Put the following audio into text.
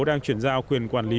đang chuyển giao quyền quản lý